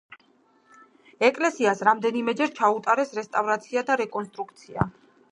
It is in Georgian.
ეკლესიას რამდენიმეჯერ ჩაუტარეს რესტავრაცია და რეკონსტრუქცია.